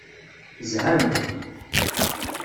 Zhant.